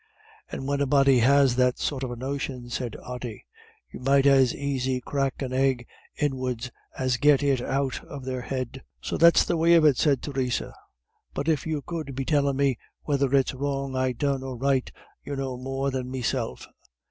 "And when a body has that sort of a notion," said Ody, "you might as aisy crack an egg ind ways as get it out of their head." "So that's the way of it," said Theresa. "But if you could be tellin' me whether it's wrong I done or right, you know more than meself.